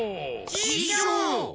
ししょう！